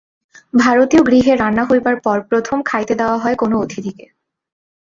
ভারতীয় গৃহে রান্না হইবার পর প্রথম খাইতে দেওয়া হয় কোন অতিথিকে।